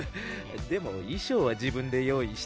でも衣装は自分で用意してね。